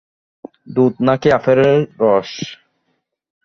দুধ নাকি আপেলের রস?